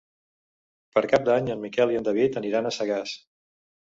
Per Cap d'Any en Miquel i en David aniran a Sagàs.